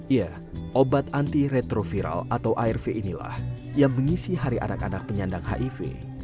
ya obat anti retroviral atau arv inilah yang mengisi hari anak anak penyandang hiv